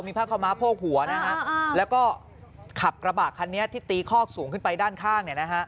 มีผ้าขาวม้าโพกหัวนะฮะแล้วก็ขับกระบะคันนี้ที่ตีคอกสูงขึ้นไปด้านข้างเนี่ยนะฮะ